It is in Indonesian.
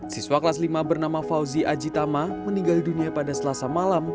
siswa kelas lima bernama fauzi ajitama meninggal dunia pada selasa malam